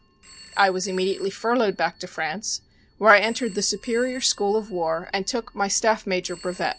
I was immediately furloughed back to France, where I entered the Superior School of War and took my Staff Major brevet.